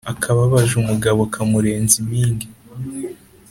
Akababaje umugabo kamurenza impinge